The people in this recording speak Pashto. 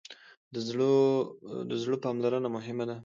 د زړه پاملرنه مهمه ده.